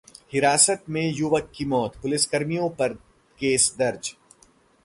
हिरासत में युवक की मौत, पुलिसकर्मियों पर केस दर्ज